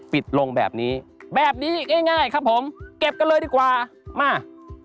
ปิดลงแบบนี้แบบนี้ง่ายครับผมเก็บกันเลยดีกว่ามา